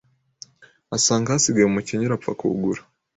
asanga hasigaye umukenyure. Apfa kuwugura